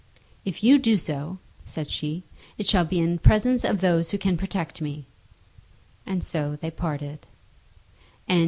"If you do so," said she, "it shall be in presence of those who can protect me." And so they parted.